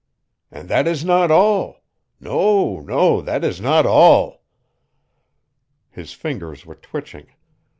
And that is not all. No. No. That is not all " His fingers were twitching.